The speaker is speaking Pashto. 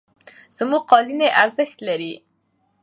زموږ قالینې ارزښت لري.